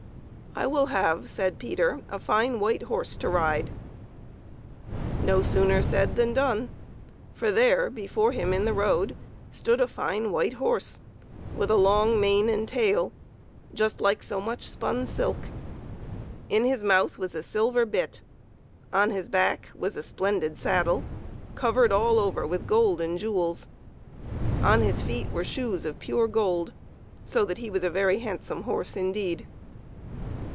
" I will have," said Peter, " a fine white horse to ride." No sooner said than done ; for there, before him in the road, stood a fine white horse, with a long mane and tail, just, like so much spun silk. In his mouth was a silver bit; on his back was a splendid saddle, covered all over with gold and jewels; on his feet were shoes of pure gold, so that he was a very handsome horse indeed.